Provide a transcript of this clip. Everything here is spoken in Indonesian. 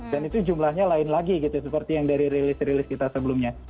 dan itu jumlahnya lain lagi gitu seperti yang dari rilis rilis kita sebelumnya